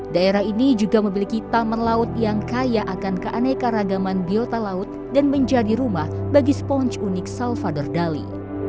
daerah ini juga memiliki taman laut yang kaya akan keanekaragaman biota laut dan menjadi rumah bagi sponge unik salvador dali